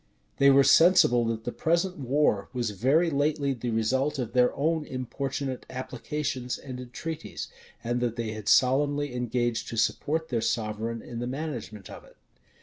They were sensible, that the present war was very lately the result of their own importunate applications and entreaties, and that they had solemnly engaged to support their sovereign in the management of it.